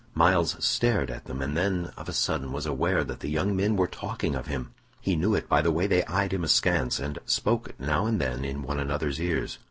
Myles stared at them, and then of a sudden was aware that the young men were talking of him. He knew it by the way they eyed him askance, and spoke now and then in one another's ears.